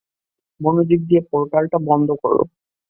মনোযোগ দিয়ে পোর্টালটা বন্ধ করো।